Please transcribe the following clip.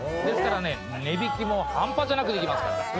ですからね値引きも半端じゃなくできますから。